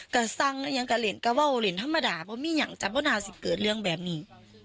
ก็ซังก็เล่นกำว่าวเล่นธรรมดาเพราะมีอย่างจำเปิดเมื่อนนาสิทธิ์เกิดเรื่องแบบนี้